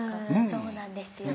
そうなんですよ。